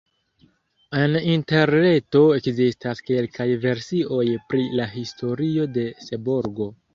En Interreto ekzistas kelkaj versioj pri la historio de Seborgo.